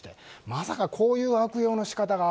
まさかこういう悪用の仕方が